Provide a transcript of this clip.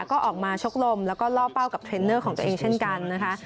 ก็ออกมาชกลมแล้วก็ล่อเป้ากับเทรนเนอร์ของตัวเองเช่นกันนะคะ